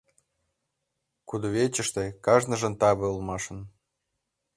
Кудывечыште кажныжын таве улмашын.